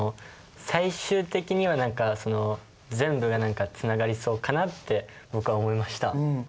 最終的には全部がつながりそうかなって僕は思いました。